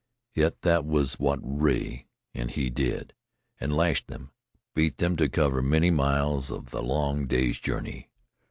Yet that was what Rea and he did, and lashed them, beat them to cover many miles in the long day's journey.